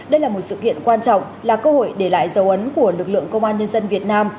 đây là một sự kiện quan trọng là cơ hội để lại dấu ấn của lực lượng công an nhân dân việt nam